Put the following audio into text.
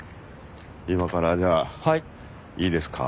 今からじゃあいいですか？